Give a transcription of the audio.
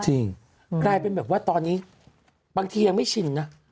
กลายเป็นแบบว่าตอนนี้บางทียังไม่ชินนะ